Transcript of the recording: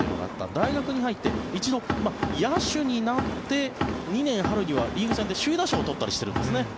大学に入って一度、野手になって２年春にはリーグ戦で首位打者を取ったりしているんですね。